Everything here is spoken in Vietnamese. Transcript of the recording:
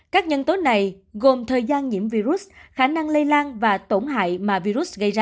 các nhân tố này gồm thời gian nhiễm virus khả năng lây lan và tổn hại mà virus gây ra